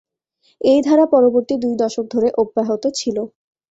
এই ধারা পরবর্তী দুই দশক ধরে অব্যাহত ছিল।